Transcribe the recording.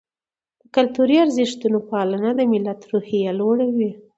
د کلتوري ارزښتونو پالنه د ملت روحیه لوړوي.